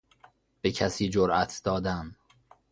به کسی جرات دادن